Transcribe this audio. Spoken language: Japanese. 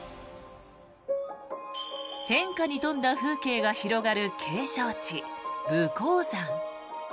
変化に富んだ風景が広がる景勝地武功山。